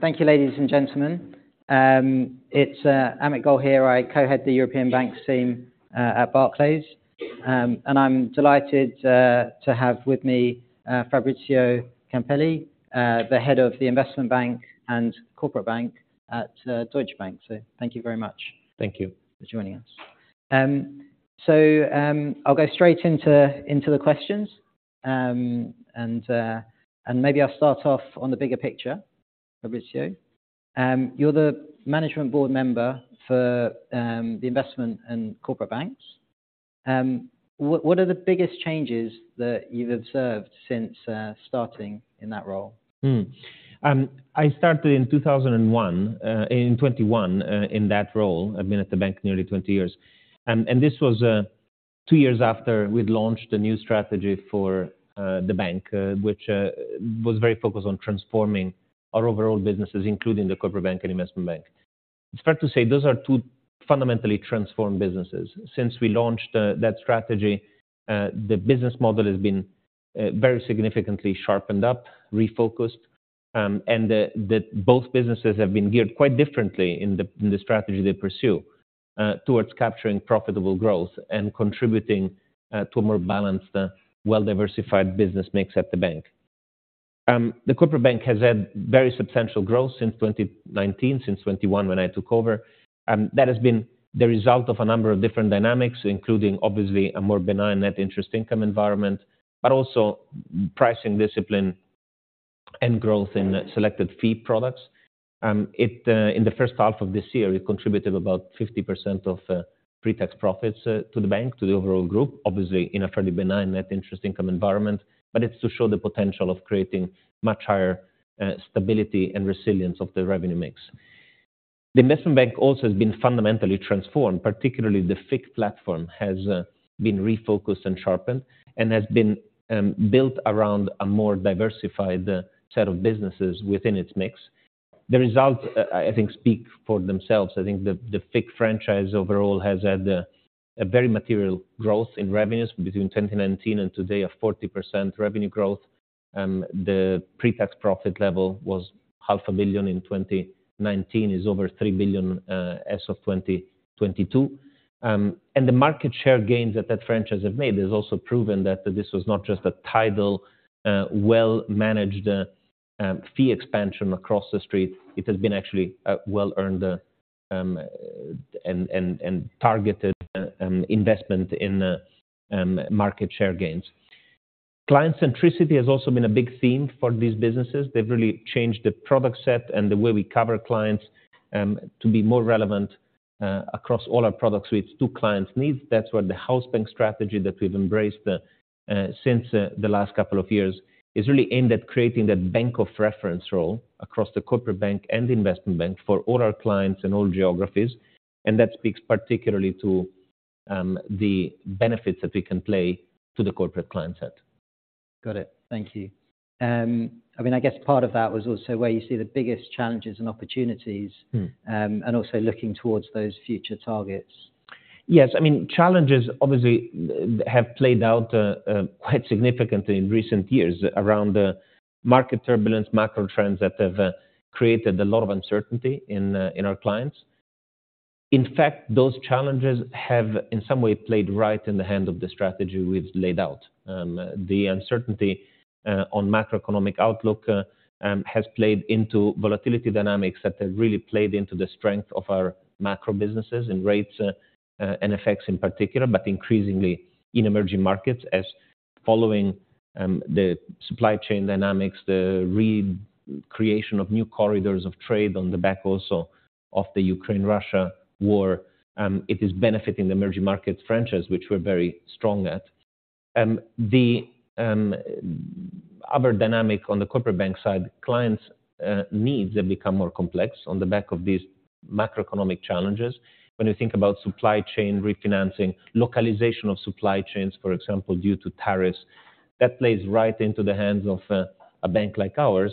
Thank you, ladies and gentlemen. It's Amit Goel here. I co-head the European Banks team at Barclays. And I'm delighted to have with me Fabrizio Campelli, the Head of the Investment Bank and Corporate Bank at Deutsche Bank. So thank you very much. Thank you -for joining us. So, I'll go straight into the questions. And maybe I'll start off on the bigger picture, Fabrizio. You're the management board member for the investment and Corporate Banks. What are the biggest changes that you've observed since starting in that role? Hmm. I started in 2001, in 2021, in that role. I've been at the bank nearly 20 years. This was two years after we'd launched a new strategy for the bank, which was very focused on transforming our overall businesses, including the Corporate Bank and Investment Bank. It's fair to say those are two fundamentally transformed businesses. Since we launched that strategy, the business model has been very significantly sharpened up, refocused, and both businesses have been geared quite differently in the strategy they pursue towards capturing profitable growth and contributing to a more balanced, well-diversified business mix at the bank. The Corporate Bank has had very substantial growth since 2019, since 2021, when I took over, and that has been the result of a number of different dynamics, including obviously, a more benign net interest income environment, but also pricing discipline and growth in selected fee products. It, in the first half of this year, it contributed about 50% of, pre-tax profits, to the bank, to the overall group. Obviously, in a fairly benign net interest income environment, but it's to show the potential of creating much higher, stability and resilience of the revenue mix. The Investment Bank also has been fundamentally transformed, particularly the FICC platform has, been refocused and sharpened and has been, built around a more diversified set of businesses within its mix. The results, I think, speak for themselves. I think the FICC franchise overall has had a very material growth in revenues between 2019 and today, a 40% revenue growth. The pre-tax profit level was 500 million in 2019, is over 3 billion as of 2022. The market share gains that that franchise have made has also proven that this was not just a tidal, well-managed, fee expansion across the street. It has been actually a well-earned, and targeted, investment in market share gains. Client centricity has also been a big theme for these businesses. They've really changed the product set and the way we cover clients, to be more relevant, across all our products to its... to clients' needs. That's where the house bank strategy that we've embraced since the last couple of years is really aimed at creating that bank of reference role across the Corporate Bank and Investment Bank for all our clients in all geographies, and that speaks particularly to the benefits that we can play to the corporate client set. Got it. Thank you. I mean, I guess part of that was also where you see the biggest challenges and opportunities- Mm. and also looking toward those future targets. Yes, I mean, challenges obviously have played out quite significantly in recent years around the market turbulence, macro trends that have created a lot of uncertainty in our clients. In fact, those challenges have, in some way, played right in the hand of the strategy we've laid out. I mean, the uncertainty on macroeconomic outlook has played into volatility dynamics that have really played into the strength of our macro businesses and rates and FX in particular, but increasingly in emerging markets as following the supply chain dynamics, the re-creation of new corridors of trade on the back, also of the Ukraine-Russia war, it is benefiting the emerging market franchise, which we're very strong at. The other dynamic on the Corporate Bank side, clients' needs have become more complex on the back of these macroeconomic challenges. When you think about supply chain refinancing, localization of supply chains, for example, due to tariffs, that plays right into the hands of a bank like ours,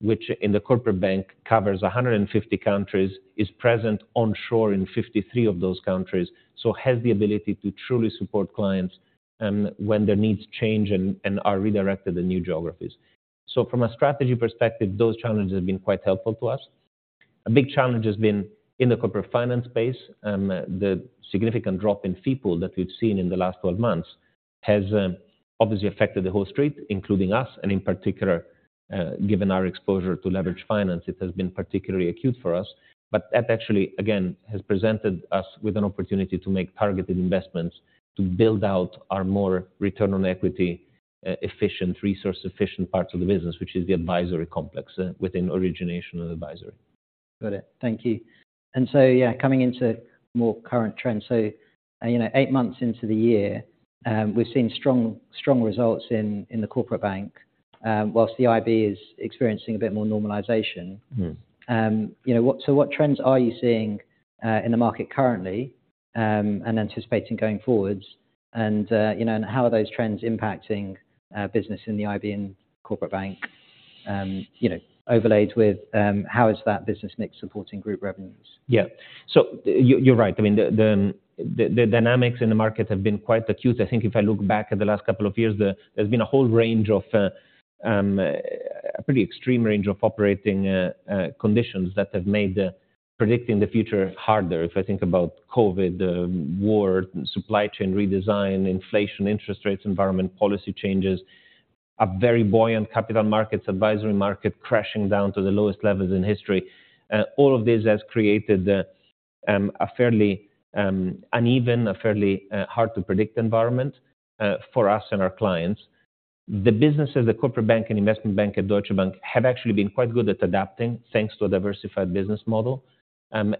which in the Corporate Bank covers 150 countries, is present onshore in 53 of those countries, so has the ability to truly support clients when their needs change and are redirected in new geographies. So from a strategy perspective, those challenges have been quite helpful to us. A big challenge has been in the corporate finance space, the significant drop in fee pool that we've seen in the last 12 months has obviously affected the whole street, including us, and in particular, given our exposure to leverage finance, it has been particularly acute for us. that actually, again, has presented us with an opportunity to make targeted investments to build out our more return on equity, efficient, resource-efficient parts of the business, which is the advisory complex within origination and advisory. Got it. Thank you. Yeah, coming into more current trends. You know, eight months into the year, we've seen strong, strong results in the Corporate Bank while the IB is experiencing a bit more normalization. Mm. You know, so what trends are you seeing in the market currently, and anticipating going forward? And, you know, and how are those trends impacting business in the IB and Corporate Bank, you know, overlaid with, how is that business mix supporting group revenues? Yeah. You're right. I mean, the dynamics in the market have been quite acute. I think if I look back at the last couple of years, there's been a whole range of a pretty extreme range of operating conditions that have made predicting the future harder. If I think about COVID, the war, supply chain redesign, inflation, interest rates, environment, policy changes, a very buoyant capital markets, advisory market crashing down to the lowest levels in history. All of this has created a fairly uneven, a fairly hard to predict environment for us and our clients. The businesses, the Corporate Bank and Investment Bank at Deutsche Bank have actually been quite good at adapting, thanks to a diversified business model, and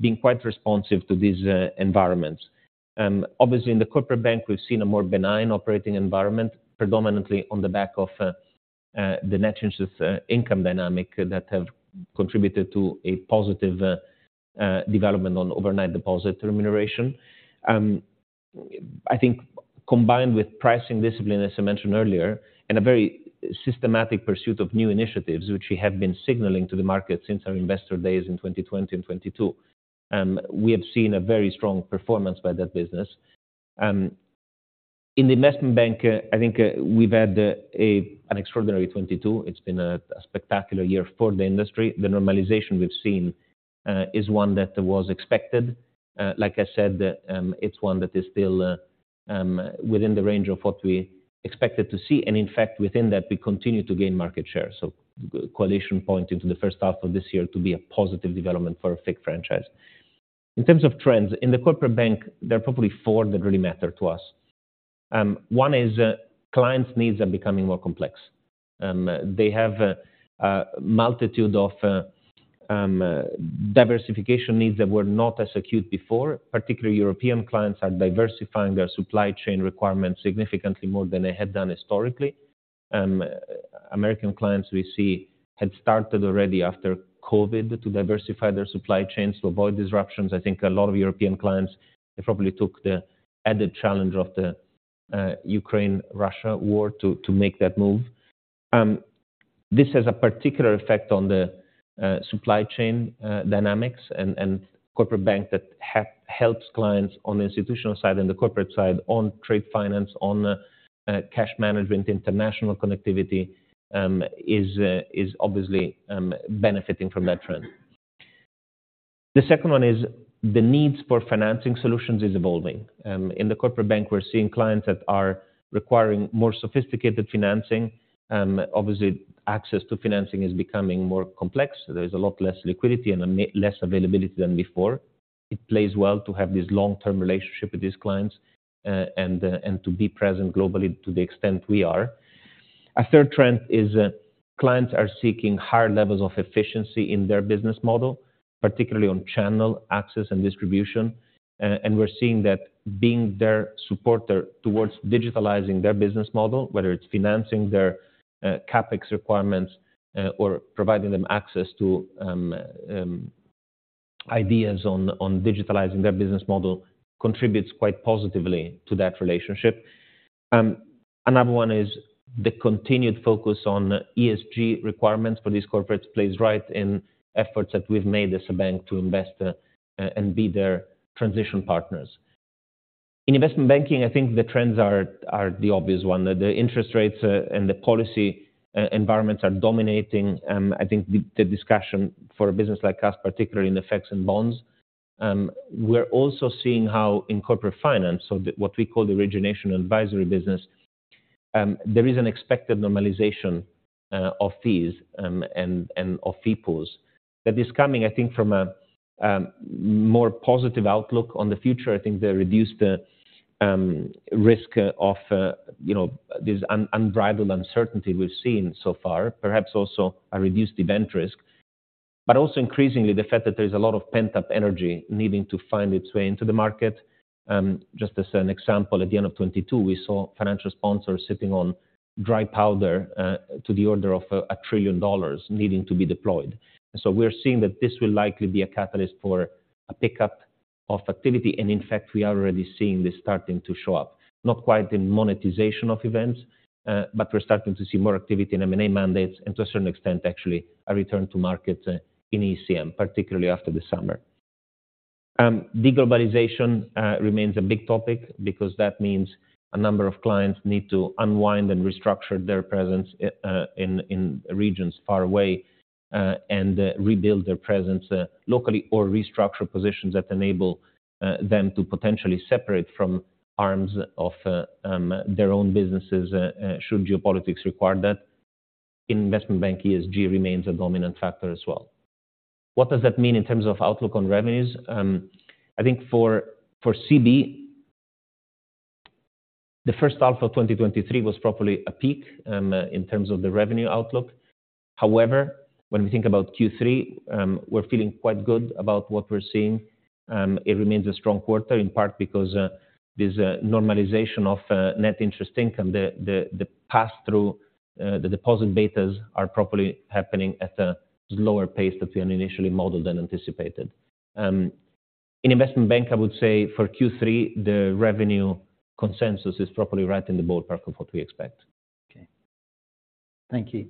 being quite responsive to these environments. Obviously, in the Corporate Bank, we've seen a more benign operating environment, predominantly on the back of the net interest income dynamic that have contributed to a positive development on overnight deposit remuneration. I think combined with pricing discipline, as I mentioned earlier, and a very systematic pursuit of new initiatives, which we have been signaling to the market since our investor days in 2020 and 2022, we have seen a very strong performance by that business. In the Investment Bank, I think, we've had an extraordinary 2022. It's been a spectacular year for the industry. The normalization we've seen is one that was expected. Like I said, it's one that is still within the range of what we expected to see, and in fact, within that, we continue to gain market share. So, Coalition pointing to the H1 of this year to be a positive development for a FICC franchise. In terms of trends, in the Corporate Bank, there are probably four that really matter to us. One is, clients' needs are becoming more complex. They have a multitude of diversification needs that were not as acute before. Particularly European clients are diversifying their supply chain requirements significantly more than they had done historically. American clients we see had started already after COVID to diversify their supply chains to avoid disruptions. I think a lot of European clients, they probably took the added challenge of the Ukraine-Russia war to make that move. This has a particular effect on the supply chain dynamics and Corporate Bank that helps clients on the institutional side and the corporate side, on trade finance, on cash management. International connectivity is obviously benefiting from that trend. The second one is the needs for financing solutions is evolving. In the Corporate Bank, we're seeing clients that are requiring more sophisticated financing. Obviously, access to financing is becoming more complex. There is a lot less liquidity and less availability than before. It plays well to have this long-term relationship with these clients, and to be present globally to the extent we are. A third trend is, clients are seeking higher levels of efficiency in their business model, particularly on channel access and distribution. And we're seeing that being their supporter towards digitalizing their business model, whether it's financing their CapEx requirements, or providing them access to ideas on digitalizing their business model, contributes quite positively to that relationship. Another one is the continued focus on ESG requirements for these corporates plays right in efforts that we've made as a bank to invest, and be their transition partners. In Investment Banking, I think the trends are the obvious one. That the interest rates and the policy environments are dominating, I think the discussion for a business like us, particularly in the effects in bonds. We're also seeing how in corporate finance, so the what we call the origination advisory business, there is an expected normalization of fees and of fee pools. That is coming, I think, from a more positive outlook on the future. I think the reduced risk of, you know, this unbridled uncertainty we've seen so far, perhaps also a reduced event risk, but also increasingly the fact that there is a lot of pent-up energy needing to find its way into the market. Just as an example, at the end of 2022, we saw financial sponsors sitting on dry powder to the order of $1 trillion needing to be deployed. So we're seeing that this will likely be a catalyst for a pickup of activity, and in fact, we are already seeing this starting to show up, not quite in monetization of events, but we're starting to see more activity in M&A mandates, and to a certain extent, actually a return to market in ECM, particularly after the summer. De-globalization remains a big topic because that means a number of clients need to unwind and restructure their presence in regions far away, and rebuild their presence locally or restructure positions that enable them to potentially separate from arms of their own businesses, should geopolitics require that. In Investment Bank, ESG remains a dominant factor as well. What does that mean in terms of outlook on revenues? I think for CB, the first half of 2023 was probably a peak in terms of the revenue outlook. However, when we think about Q3, we're feeling quite good about what we're seeing. It remains a strong quarter, in part because this normalization of net interest income, the pass through, the deposit betas are probably happening at a lower pace that we initially modeled than anticipated. In Investment Bank, I would say for Q3, the revenue consensus is probably right in the ballpark of what we expect. Okay. Thank you.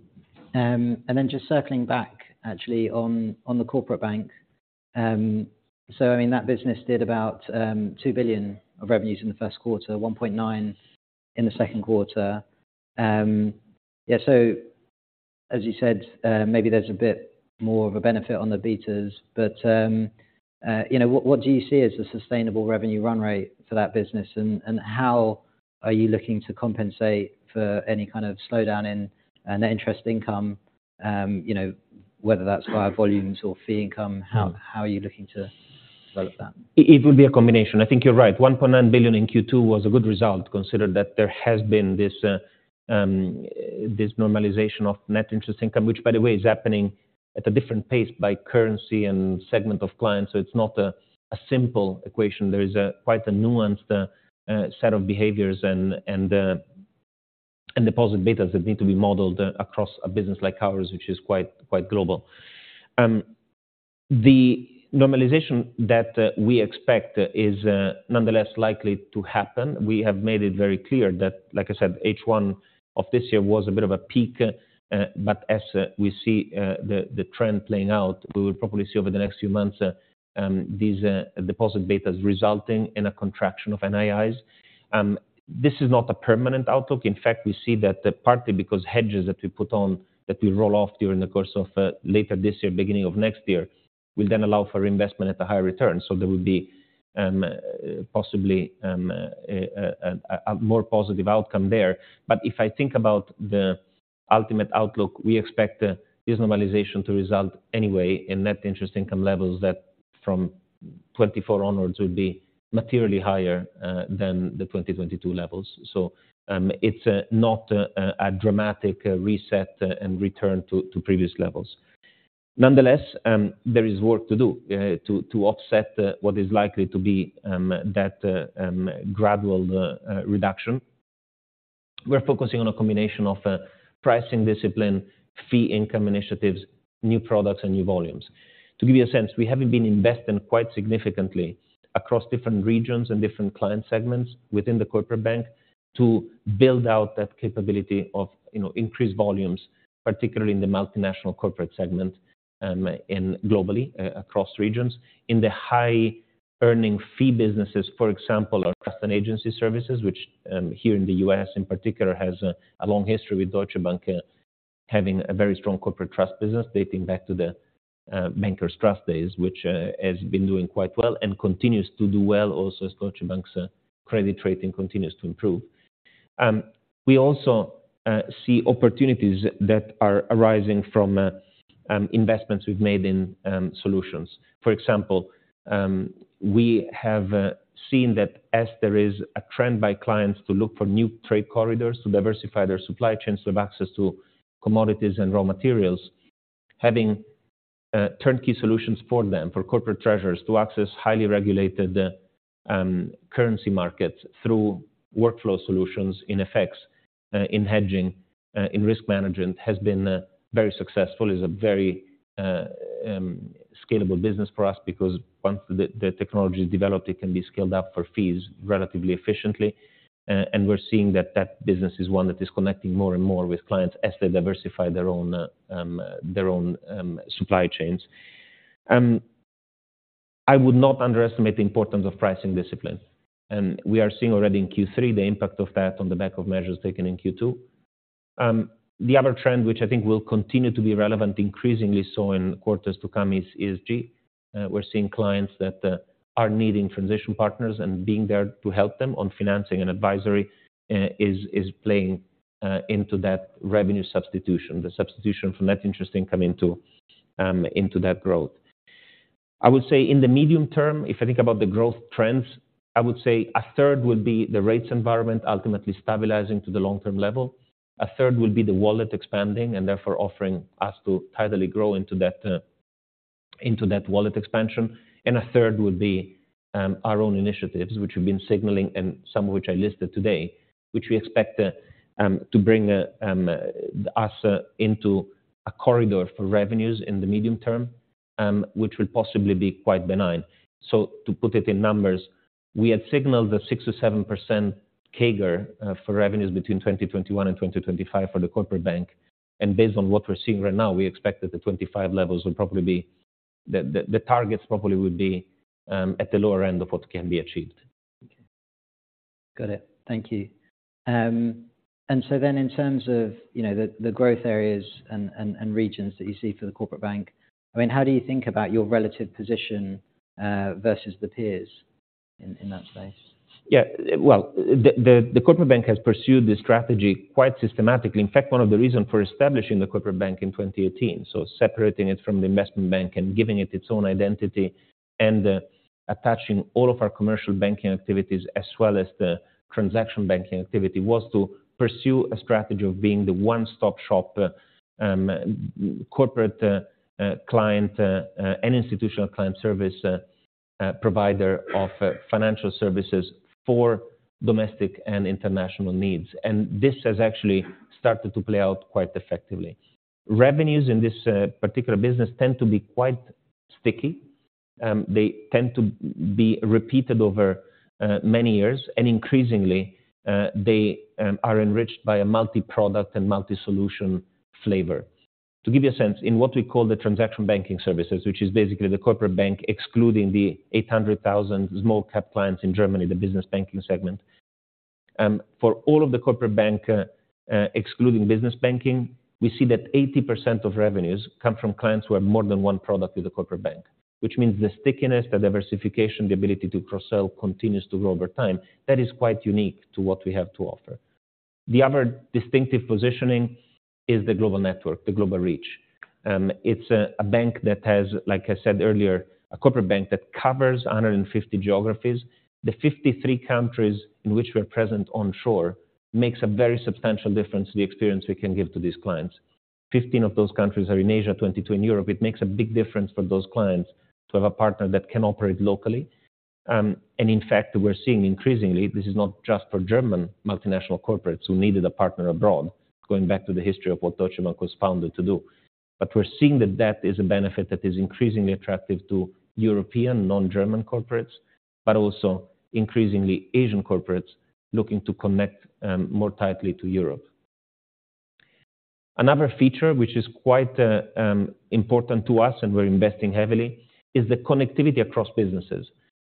And then just circling back actually on the Corporate Bank. I mean, that business did about 2 billion of revenues in the first quarter, 1.9 billion in the second quarter. Yeah, as you said, maybe there's a bit more of a benefit on the betas, but, you know, what do you see as the sustainable revenue run rate for that business? How are you looking to compensate for any kind of slowdown in net interest income? You know, whether that's via volumes or fee income, how are you looking to develop that? It would be a combination. I think you're right. 1.9 billion in Q2 was a good result, considering that there has been this normalization of net interest income, which, by the way, is happening at a different pace by currency and segment of clients. So it's not a simple equation. There is quite a nuanced set of behaviors and deposit betas that need to be modeled across a business like ours, which is quite global. The normalization that we expect is nonetheless likely to happen. We have made it very clear that, like I said, H1 of this year was a bit of a peak, but as we see the trend playing out, we will probably see over the next few months, these deposit betas resulting in a contraction of NIIs. This is not a permanent outlook. In fact, we see that partly because hedges that we put on, that we roll off during the course of later this year, beginning of next year, will then allow for investment at a higher return. So there will be, possibly, a more positive outcome there. But if I think about the ultimate outlook, we expect this normalization to result anyway in net interest income levels that from 2024 onwards, will be materially higher, than the 2022 levels. So, it's not a dramatic reset and return to previous levels. Nonetheless, there is work to do to offset what is likely to be that gradual reduction. We're focusing on a combination of pricing discipline, fee income initiatives, new products, and new volumes. To give you a sense, we have been investing quite significantly across different regions and different client segments within the Corporate Bank to build out that capability of, you know, increased volumes, particularly in the multinational corporate segment, in globally across regions. In the high-earning fee businesses, for example, our trust and agency services, which here in the U.S. in particular, has a long history with Deutsche Bank, having a very strong corporate trust business dating back to the Bankers Trust days, which has been doing quite well and continues to do well also as Deutsche Bank's credit rating continues to improve. We also see opportunities that are arising from investments we've made in solutions. For example, we have seen that as there is a trend by clients to look for new trade corridors to diversify their supply chains to have access to commodities and raw materials, having turnkey solutions for them, for corporate treasurers to access highly regulated currency markets through workflow solutions in FX, in hedging, in risk management, has been very successful. It's a very scalable business for us because once the technology is developed, it can be scaled up for fees relatively efficiently. And we're seeing that that business is one that is connecting more and more with clients as they diversify their own supply chains. I would not underestimate the importance of pricing discipline, and we are seeing already in Q3 the impact of that on the back of measures taken in Q2. The other trend, which I think will continue to be relevant increasingly so in quarters to come, is ESG. We're seeing clients that are needing transition partners and being there to help them on financing and advisory is playing into that revenue substitution, the substitution from net interest income into that growth. I would say in the medium term, if I think about the growth trends, I would say a third would be the rates environment ultimately stabilizing to the long-term level. A third would be the wallet expanding, and therefore offering us to tidily grow into that, into that wallet expansion. And a third would be our own initiatives, which we've been signaling and some of which I listed today, which we expect to bring us into a corridor for revenues in the medium term, which will possibly be quite benign. So to put it in numbers, we had signaled a 6% to 7% CAGR for revenues between 2021 and 2025 for the Corporate Bank, and based on what we're seeing right now, we expect that the 2025 levels will probably be... The targets probably would be at the lower end of what can be achieved. Got it. Thank you. And so then in terms of, you know, the growth areas and regions that you see for the Corporate Bank, I mean, how do you think about your relative position versus the peers in that space? Yeah, well, the Corporate Bank has pursued this strategy quite systematically. In fact, one of the reasons for establishing the Corporate Bank in 2018, so separating it from the Investment Bank and giving it its own identity, and attaching all of our commercial banking activities as well as the transaction banking activity, was to pursue a strategy of being the one-stop shop, corporate client and institutional client service provider of financial services for domestic and international needs. And this has actually started to play out quite effectively. Revenues in this particular business tend to be quite sticky. They tend to be repeated over many years, and increasingly, they are enriched by a multi-product and multi-solution flavor. To give you a sense, in what we call the transaction banking services, which is basically the Corporate Bank, excluding the 800,000 small cap clients in Germany, the business banking segment. For all of the Corporate Bank, excluding business banking, we see that 80% of revenues come from clients who have more than one product with the Corporate Bank, which means the stickiness, the diversification, the ability to cross-sell continues to grow over time. That is quite unique to what we have to offer. The other distinctive positioning is the global network, the global reach. It's a bank that has, like I said earlier, a Corporate Bank that covers 150 geographies. The 53 countries in which we're present onshore makes a very substantial difference to the experience we can give to these clients. Fifteen of those countries are in Asia, 22 in Europe. It makes a big difference for those clients to have a partner that can operate locally. And in fact, we're seeing increasingly, this is not just for German multinational corporates who needed a partner abroad, going back to the history of what Deutsche Bank was founded to do. But we're seeing that that is a benefit that is increasingly attractive to European non-German corporates, but also increasingly Asian corporates looking to connect more tightly to Europe. Another feature, which is quite important to us, and we're investing heavily, is the connectivity across businesses.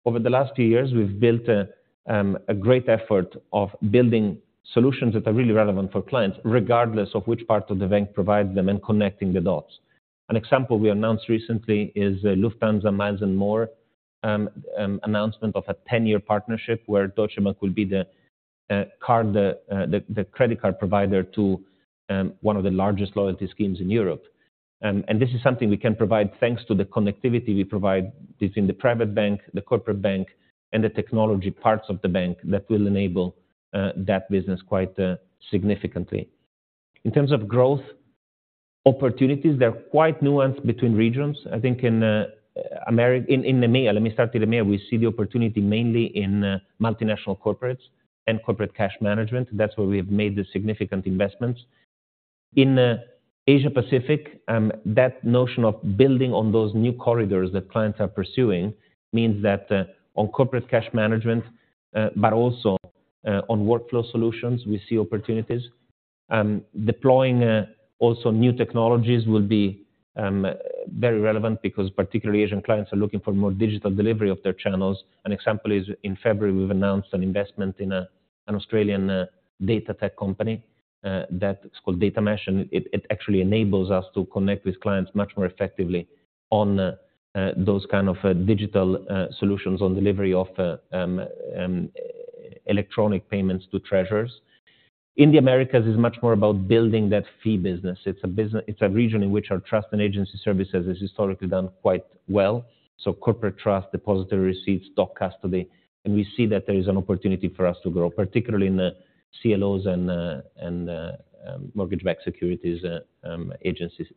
Over the last few years, we've built a great effort of building solutions that are really relevant for clients, regardless of which part of the bank provides them and connecting the dots. An example we announced recently is Lufthansa Miles & More announcement of a ten-year partnership, where Deutsche Bank will be the credit card provider to one of the largest loyalty schemes in Europe. And this is something we can provide thanks to the connectivity we provide between the private bank, the Corporate Bank, and the technology parts of the bank that will enable that business quite significantly. In terms of growth opportunities, they're quite nuanced between regions. I think in EMEA, let me start with EMEA. We see the opportunity mainly in multinational corporates and corporate cash management. That's where we have made the significant investments. In Asia Pacific, that notion of building on those new corridors that clients are pursuing means that on corporate cash management, but also on workflow solutions, we see opportunities. Deploying also new technologies will be very relevant because particularly Asian clients are looking for more digital delivery of their channels. An example is in February, we've announced an investment in an Australian data tech company that's called DataMesh, and it actually enables us to connect with clients much more effectively on those kind of digital solutions on delivery of electronic payments to treasurers. In the Americas, is much more about building that fee business. It's a business. It's a region in which our trust and agency services has historically done quite well. So Corporate Trust, Depository Receipts, Doc Custody, and we see that there is an opportunity for us to grow, particularly in the CLOs and the mortgage-backed securities, agencies,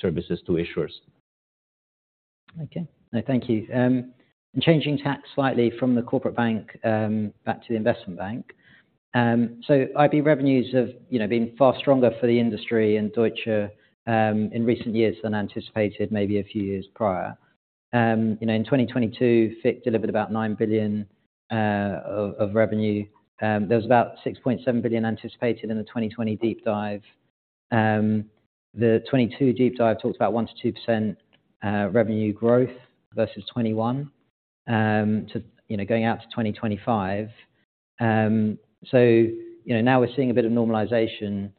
services to issuers. Okay, thank you. Changing tack slightly from the Corporate Bank, back to the Investment Bank. So IB revenues have, you know, been far stronger for the industry and Deutsche, in recent years than anticipated, maybe a few years prior. You know, in 2022, FIC delivered about 9 billion of revenue. There was about 6.7 billion anticipated in the 2020 deep dive. The 2022 deep dive talks about 1% to 2% revenue growth versus 2021, to... You know, going out to 2025. So, you know, now we're seeing a bit of normalization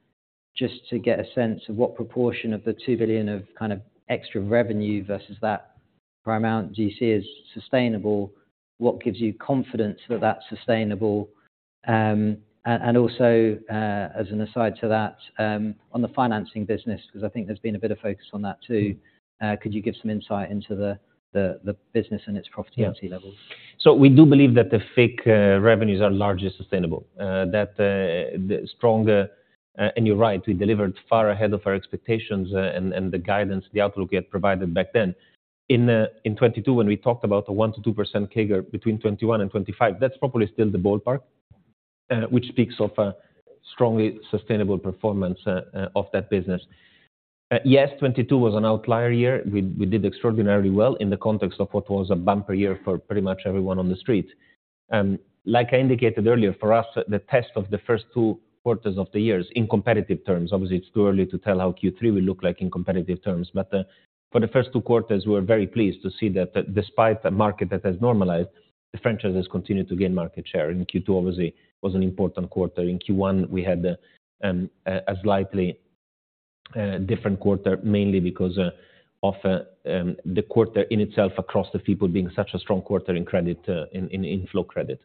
just to get a sense of what proportion of the 2 billion of kind of extra revenue versus that paramount do you see as sustainable? What gives you confidence that that's sustainable? And also, as an aside to that, on the financing business, because I think there's been a bit of focus on that too. Could you give some insight into the business and its profitability levels? So we do believe that the FIC revenues are largely sustainable, that the strong... And you're right, we delivered far ahead of our expectations, and the guidance, the outlook we had provided back then. In 2022, when we talked about the 1% to 2% CAGR between 2021 and 2025, that's probably still the ballpark, which speaks of a strongly sustainable performance of that business. Yes, 2022 was an outlier year. We did extraordinarily well in the context of what was a bumper year for pretty much everyone on the street. Like I indicated earlier, for us, the test of the first two quarters of the years in competitive terms, obviously, it's too early to tell how Q3 will look like in competitive terms, but for the first two quarters, we're very pleased to see that despite a market that has normalized, the franchise has continued to gain market share, and Q2 obviously was an important quarter. In Q1, we had a slightly different quarter, mainly because of the quarter in itself across the people being such a strong quarter in credit in Flow Credit.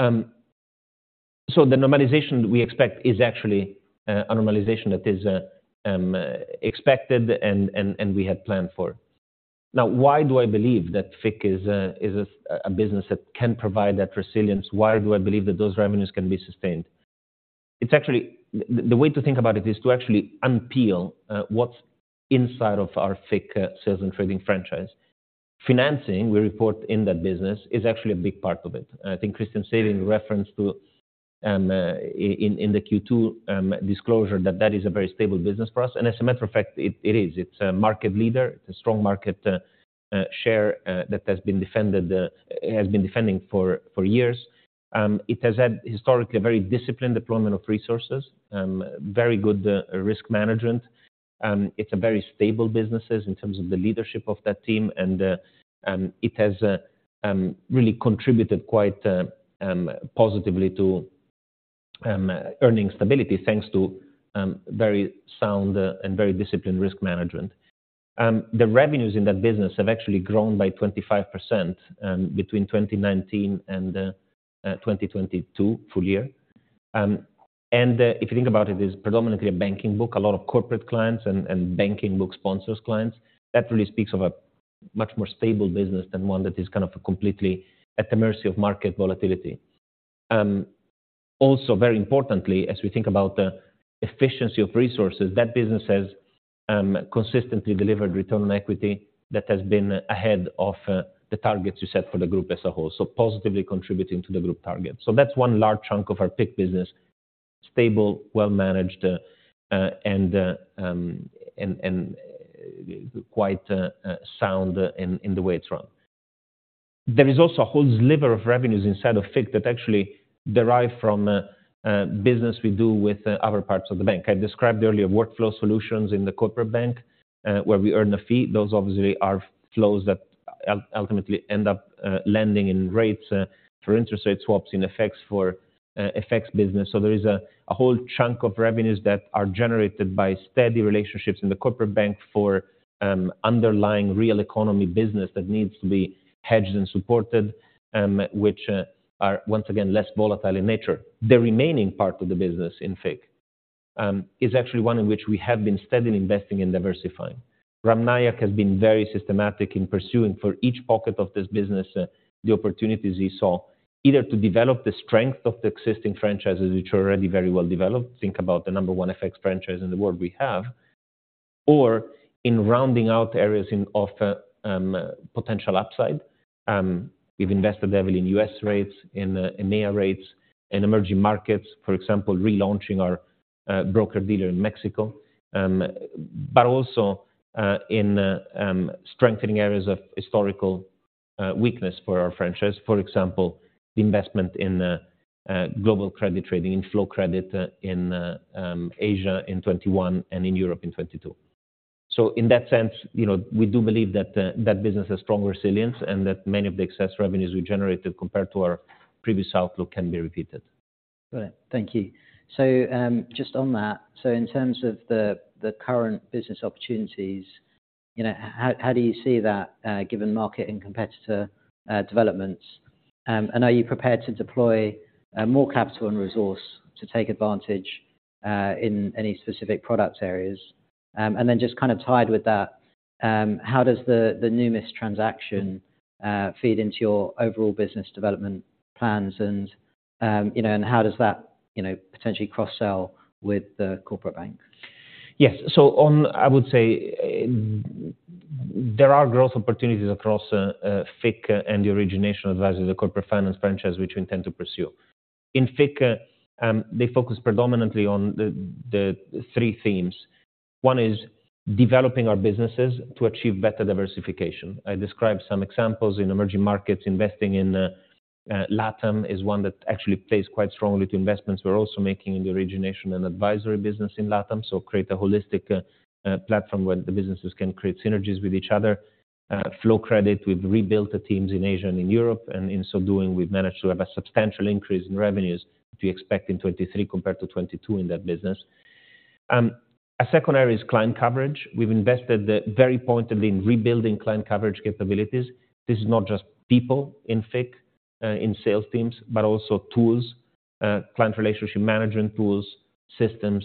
So the normalization we expect is actually a normalization that is expected and we had planned for. Now, why do I believe that FIC is a business that can provide that resilience? Why do I believe that those revenues can be sustained? It's actually... The, the way to think about it is to actually unpeel what's inside of our FICC sales and trading franchise. Financing, we report in that business, is actually a big part of it. I think Christian Sewing reference to-... and, in, in the Q2 disclosure that that is a very stable business for us. And as a matter of fact, it, it is. It's a market leader. It's a strong market share that has been defended, it has been defending for, for years. It has had historically a very disciplined deployment of resources, very good risk management, and it's a very stable businesses in terms of the leadership of that team, and it has really contributed quite positively to earning stability, thanks to very sound and very disciplined risk management. The revenues in that business have actually grown by 25%, between 2019 and 2022 full year. And if you think about it, it's predominantly a banking book, a lot of corporate clients and banking book sponsors clients. That really speaks of a much more stable business than one that is kind of completely at the mercy of market volatility. Also, very importantly, as we think about the efficiency of resources, that business has consistently delivered return on equity that has been ahead of the targets we set for the group as a whole. So positively contributing to the group target. So that's one large chunk of our FICC business, stable, well managed, and quite sound in the way it's run. There is also a whole sliver of revenues inside of FICC that actually derive from business we do with other parts of the bank. I described earlier Workflow Solutions in the Corporate Bank, where we earn a fee. Those obviously are flows that ultimately end up landing in rates for interest rate swaps in FX for FX business. So there is a whole chunk of revenues that are generated by steady relationships in the Corporate Bank for underlying real economy business that needs to be hedged and supported, which are, once again, less volatile in nature. The remaining part of the business in FIC is actually one in which we have been steadily investing in diversifying. Ram Nayak has been very systematic in pursuing for each pocket of this business, the opportunities he saw, either to develop the strength of the existing franchises, which are already very well developed. Think about the number one effects franchise in the world we have, or in rounding out areas in of potential upside. We've invested heavily in U.S. rates, in EMEA rates, in emerging markets, for example, relaunching our broker dealer in Mexico, but also in strengthening areas of historical weakness for our franchise. For example, the investment in global credit trading, in flow credit in Asia in 2021 and in Europe in 2022. So in that sense, you know, we do believe that that business has stronger resilience and that many of the excess revenues we generated compared to our previous outlook can be repeated. Great. Thank you. So, just on that, so in terms of the current business opportunities, you know, how do you see that, given market and competitor developments? And are you prepared to deploy more capital and resource to take advantage in any specific product areas? And then just kind of tied with that, how does the Numis transaction feed into your overall business development plans? And you know, and how does that you know, potentially cross-sell with the Corporate Bank? Yes. So I would say, there are growth opportunities across FIC and the origination advisors, the corporate finance franchise, which we intend to pursue. In FIC, they focus predominantly on the three themes. One is developing our businesses to achieve better diversification. I described some examples in emerging markets. Investing in LATAM is one that actually plays quite strongly to investments we're also making in the origination and advisory business in LATAM. So create a holistic platform where the businesses can create synergies with each other. Flow credit, we've rebuilt the teams in Asia and in Europe, and in so doing, we've managed to have a substantial increase in revenues to expect in 2023 compared to 2022 in that business. A second area is client coverage. We've invested very pointedly in rebuilding client coverage capabilities. This is not just people in FIC, in sales teams, but also tools, client relationship management tools, systems,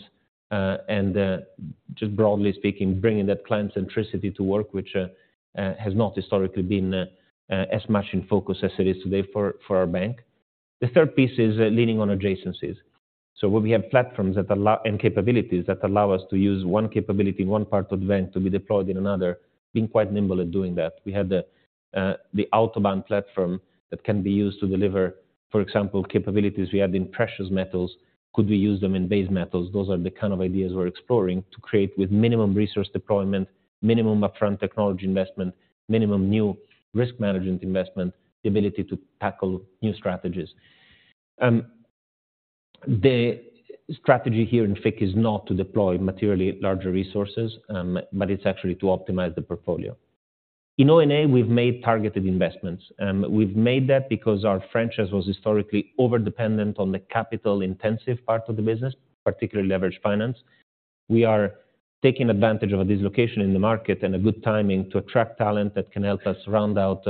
and, just broadly speaking, bringing that client centricity to work, which has not historically been as much in focus as it is today for, for our bank. The third piece is leaning on adjacencies. So where we have platforms that allow and capabilities that allow us to use one capability in one part of the bank to be deployed in another, being quite nimble at doing that. We have the Autobahn platform that can be used to deliver, for example, capabilities we have in precious metals. Could we use them in base metals? Those are the kind of ideas we're exploring to create with minimum resource deployment, minimum upfront technology investment, minimum new risk management investment, the ability to tackle new strategies. The strategy here in FIC is not to deploy materially larger resources, but it's actually to optimize the portfolio. In O&A, we've made targeted investments, and we've made that because our franchise was historically overdependent on the capital-intensive part of the business, particularly leverage finance. We are taking advantage of a dislocation in the market and a good timing to attract talent that can help us round out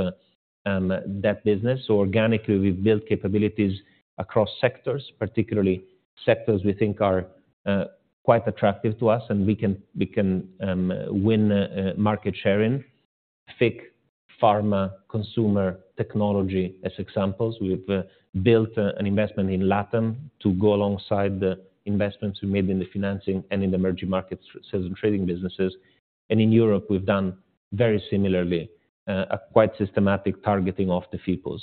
that business. So organically, we've built capabilities across sectors, particularly sectors we think are quite attractive to us, and we can, we can, win market share in FIC, pharma, consumer, technology, as examples. We've built an investment in LATAM to go alongside the investments we made in the financing and in the emerging market sales and trading businesses. And in Europe, we've done very similarly, a quite systematic targeting of the people.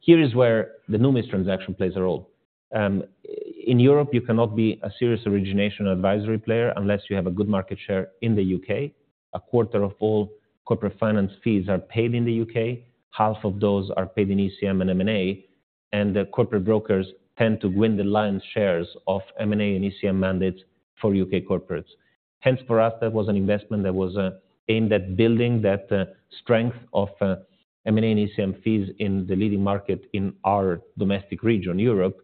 Here is where the Numis transaction plays a role. In Europe, you cannot be a serious origination advisory player unless you have a good market share in the U.K. A quarter of all corporate finance fees are paid in the U.K., half of those are paid in ECM and M&A, and the corporate brokers tend to win the lion's shares of M&A and ECM mandates for U.K. corporates. Hence, for us, that was an investment that was aimed at building that strength of M&A and ECM fees in the leading market in our domestic region, Europe.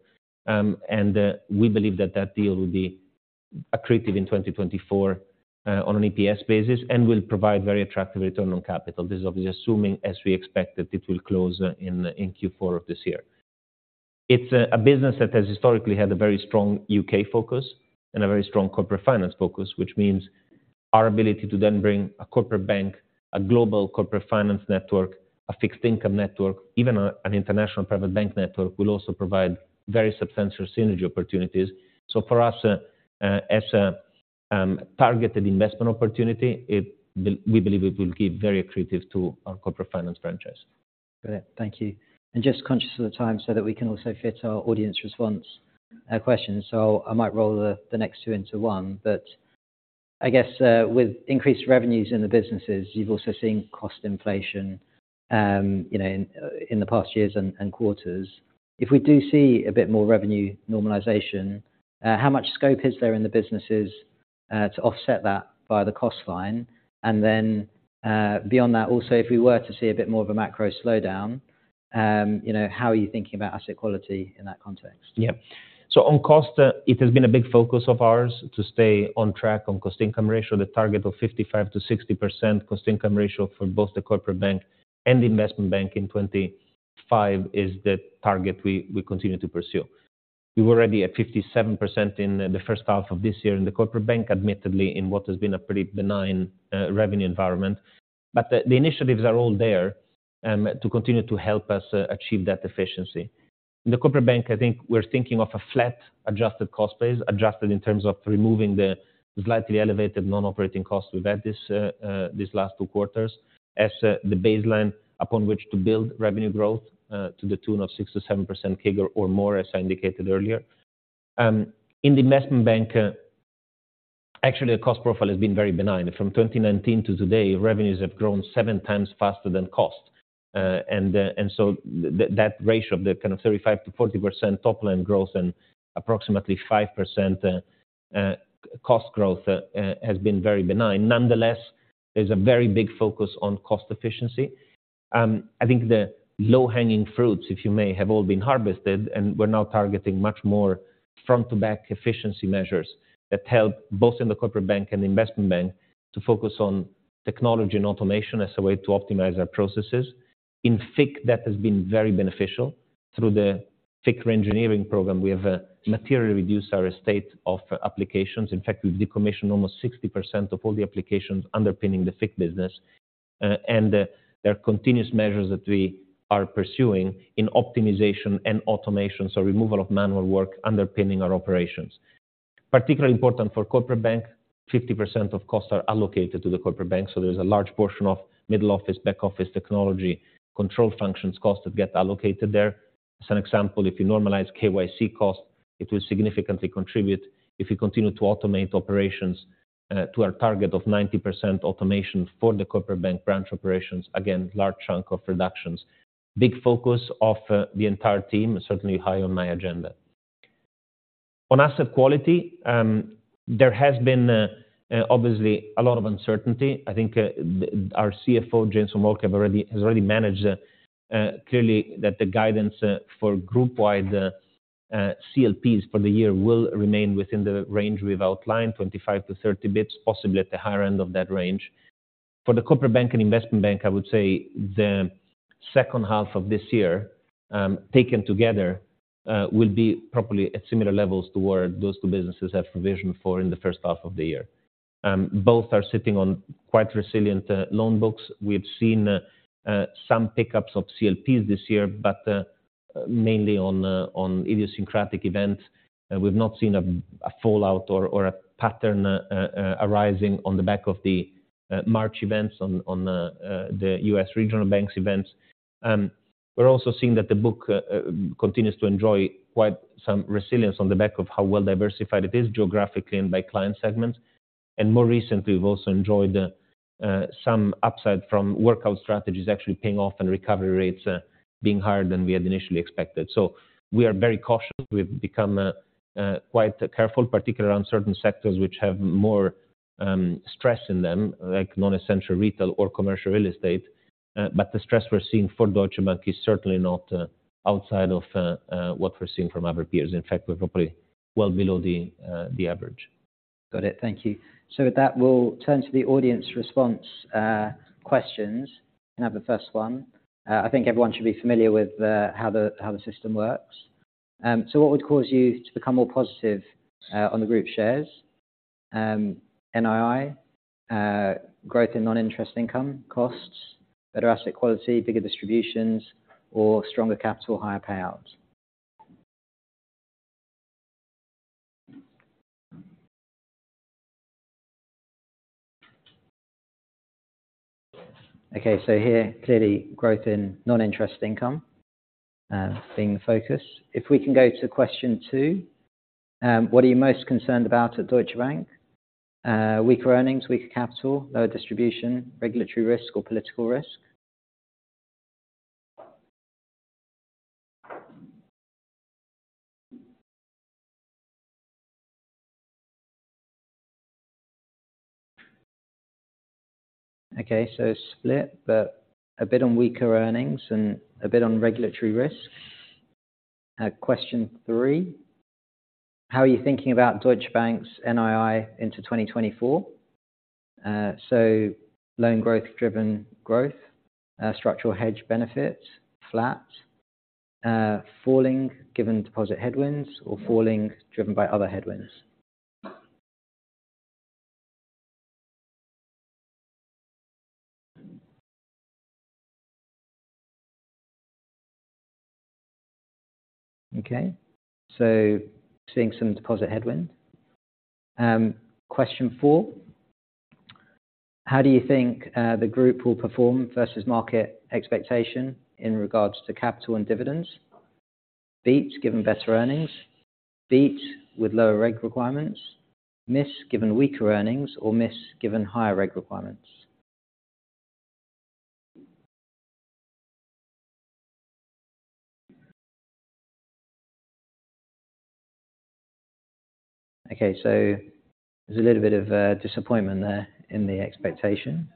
We believe that that deal will be accretive in 2024 on an EPS basis and will provide very attractive return on capital. This is obviously assuming, as we expect, that it will close in Q4 of this year. It's a business that has historically had a very strong U.K. focus and a very strong corporate finance focus, which means our ability to then bring a Corporate Bank, a global corporate finance network, a fixed income network, even an international private bank network, will also provide very substantial synergy opportunities. So for us, as a targeted investment opportunity, we believe it will be very accretive to our corporate finance franchise. Great, thank you. And just conscious of the time so that we can also fit our audience response questions. So I might roll the next two into one, but I guess, with increased revenues in the businesses, you've also seen cost inflation, you know, in the past years and quarters. If we do see a bit more revenue normalization, how much scope is there in the businesses to offset that via the cost line? And then, beyond that, also, if we were to see a bit more of a macro slowdown, you know, how are you thinking about asset quality in that context? Yeah. So on cost, it has been a big focus of ours to stay on track on cost-income ratio. The target of 55%-60% cost-income ratio for both the Corporate Bank and the Investment Bank in 2025 is the target we continue to pursue. We were already at 57% in the first half of this year in the Corporate Bank, admittedly, in what has been a pretty benign revenue environment. But the initiatives are all there to continue to help us achieve that efficiency. In the Corporate Bank, I think we're thinking of a flat adjusted cost base, adjusted in terms of removing the slightly elevated non-operating costs we've had these last two quarters, as the baseline upon which to build revenue growth to the tune of 6% to 7% CAGR or more, as I indicated earlier. In the Investment Bank, actually, the cost profile has been very benign. From 2019 to today, revenues have grown seven times faster than cost. So that ratio of the kind of 35% to 40% top-line growth and approximately 5%, cost growth, has been very benign. Nonetheless, there's a very big focus on cost efficiency. I think the low-hanging fruits, if you may, have all been harvested, and we're now targeting much more front-to-back efficiency measures that help both in the Corporate Bank and Investment Bank to focus on technology and automation as a way to optimize our processes. In FICC, that has been very beneficial. Through the FICC reengineering program, we have materially reduced our estate of applications. In fact, we've decommissioned almost 60% of all the applications underpinning the FICC business, and there are continuous measures that we are pursuing in optimization and automation, so removal of manual work underpinning our operations. Particularly important for Corporate Bank, 50% of costs are allocated to the Corporate Bank, so there is a large portion of middle office, back office technology, control functions, costs that get allocated there. As an example, if you normalize KYC costs, it will significantly contribute. If you continue to automate operations to our target of 90% automation for the Corporate Bank branch operations, again, large chunk of reductions. Big focus of the entire team, certainly high on my agenda. On asset quality, there has been obviously a lot of uncertainty. I think, the... Our CFO, James von Moltke, has already managed clearly that the guidance for group-wide CLPs for the year will remain within the range we've outlined, 25 to 30 basis points, possibly at the higher end of that range. For the Corporate Bank and Investment Bank, I would say the second half of this year, taken together, will be probably at similar levels to where those two businesses have provisioned for in the first half of the year. Both are sitting on quite resilient loan books. We've seen some pick-ups of CLPs this year, but mainly on idiosyncratic events. We've not seen a fallout or a pattern arising on the back of the March events on the U.S. regional banks events. We're also seeing that the book continues to enjoy quite some resilience on the back of how well diversified it is geographically and by client segments. And more recently, we've also enjoyed some upside from workout strategies actually paying off and recovery rates being higher than we had initially expected. So we are very cautious. We've become quite careful, particularly around certain sectors which have more stress in them, like non-essential retail or commercial real estate. But the stress we're seeing for Deutsche Bank is certainly not outside of what we're seeing from our peers. In fact, we're probably well below the average. Got it. Thank you. So with that, we'll turn to the audience response questions. Can I have the first one? I think everyone should be familiar with how the system works. So what would cause you to become more positive on the group shares, NII, growth in non-interest income, costs, better asset quality, bigger distributions, or stronger capital, higher payouts? Okay, so here, clearly growth in non-interest income being the focus. If we can go to question two. What are you most concerned about at Deutsche Bank? Weaker earnings, weaker capital, lower distribution, regulatory risk, or political risk? Okay, so split, but a bit on weaker earnings and a bit on regulatory risk. Question three: How are you thinking about Deutsche Bank's NII into 2024? So loan growth-driven growth, structural hedge benefits, flat, falling given deposit headwinds, or falling driven by other headwinds. Okay, so seeing some deposit headwind. Question 4: How do you think, the group will perform versus market expectation in regards to capital and dividends? Beat, given better earnings. Beat, with lower reg requirements. Miss, given weaker earnings. Or miss, given higher reg requirements. Okay, so there's a little bit of, disappointment there in the expectation.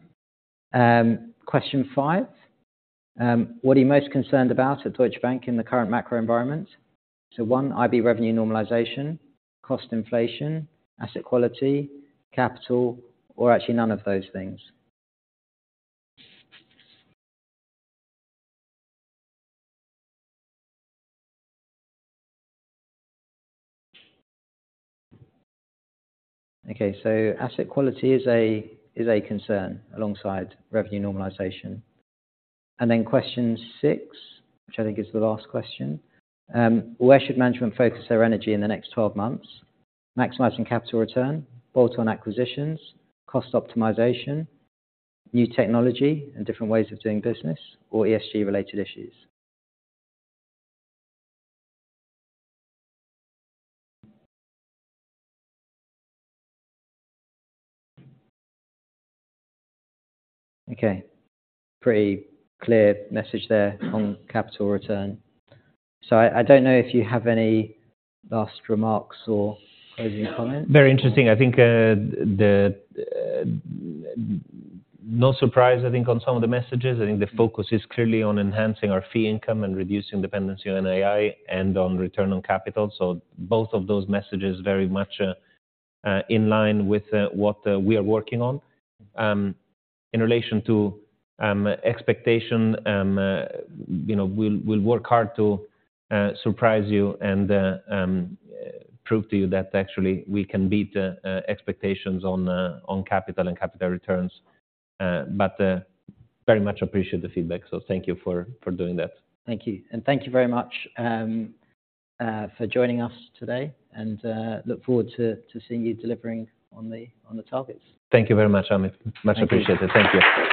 Question 5: What are you most concerned about at Deutsche Bank in the current macro environment? So 1, IB revenue normalization, cost inflation, asset quality, capital, or actually none of those things. Okay, so asset quality is a, is a concern alongside revenue normalization. And then question 6, which I think is the last question. Where should management focus their energy in the next 12 months? Maximizing capital return, bolt-on acquisitions, cost optimization, new technology and different ways of doing business, or ESG-related issues. Okay, pretty clear message there on capital return. So I, I don't know if you have any last remarks or closing comments? Very interesting. I think, no surprise, I think, on some of the messages. I think the focus is clearly on enhancing our fee income and reducing dependency on NII and on return on capital. So both of those messages very much in line with what we are working on. In relation to expectation, you know, we'll work hard to surprise you and prove to you that actually we can beat expectations on on capital and capital returns. But very much appreciate the feedback, so thank you for doing that. Thank you. Thank you very much for joining us today, and look forward to seeing you delivering on the targets. Thank you very much, Amit. Much appreciated. Thank you.